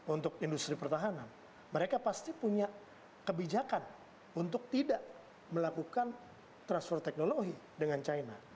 untuk industri pertahanan mereka pasti punya kebijakan untuk tidak melakukan transfer teknologi dengan china